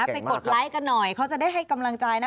กดไลค์กันหน่อยเขาจะได้ให้กำลังใจนะ